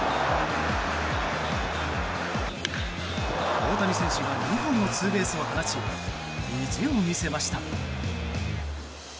大谷選手が２本のツーベースを放ち意地を見せました。